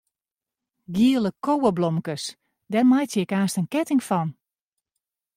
Giele koweblomkes, dêr meitsje ik aanst in ketting fan.